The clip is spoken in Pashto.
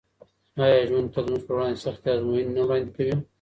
آیا ژوند تل زموږ پر وړاندې سختې ازموینې نه وړاندې کوي؟